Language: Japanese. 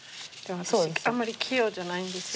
あんまり器用じゃないんですよ。